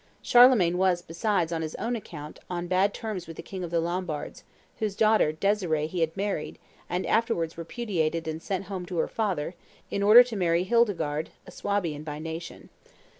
Charlemagne was, besides, on his own account, on bad terms with the king of the Lombards, whose daughter, Desiree, he had married, and afterwards repudiated and sent home to her father, in order to marry Hildegarde, a Suabian by nation.